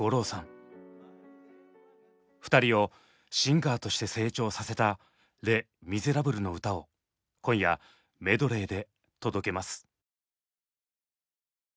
２人をシンガーとして成長させた「レ・ミゼラブル」の歌を今夜メドレーで届けます。